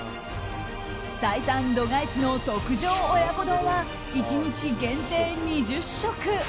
採算度外視の特上親子丼は１日限定２０食。